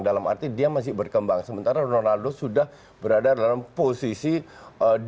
dalam arti dia masih berkembang sementara ronaldo sudah berada dalam posisi yang peak ya